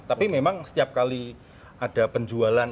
tapi memang setiap kali ada penjualan